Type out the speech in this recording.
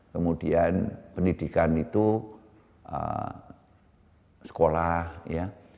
kemudian pendidikan itu sekolah ya